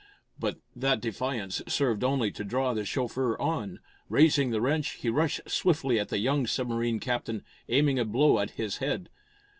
But that defiance served only to draw the chauffeur on. Raising the wrench, he rushed swiftly at the young submarine captain, aiming a blow at his head.